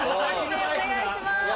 判定お願いします。